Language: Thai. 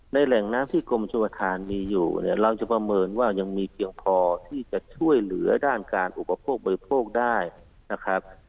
แหล่งน้ำที่กรมชมธานมีอยู่เนี่ยเราจะประเมินว่ายังมีเพียงพอที่จะช่วยเหลือด้านการอุปโภคบริโภคได้นะครับ